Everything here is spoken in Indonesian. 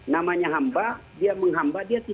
namanya hamba dia menghamba